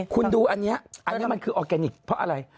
คุณดูอันนี้อันนี้มันคือออร์แกนิคเพราะอะไร